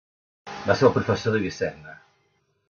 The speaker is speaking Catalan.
Va ser el professor d'Avicenna.